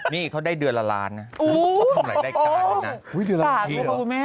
นี่เขาได้เดือนละลานนะทำอะไรได้การนะอุ้ยเดือนละลานจริงหรอ